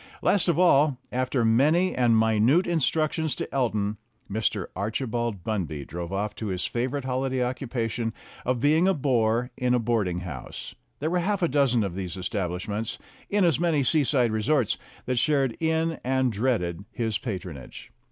Last of all, after many and minute instructions to Elton, Mr. Archibald Bunby drove off to his favorite holiday occupation of being a bore in a boarding house there were half a dozen of these establishments, in as many seaside resorts, that shared in and dreaded his patronage.